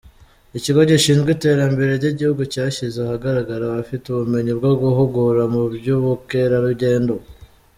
Ikigo gishinzwe iterambere ryigihugu cyashyize ahagaragara abafite ubumenyi bwo guhugura mu by’ubukerarugendo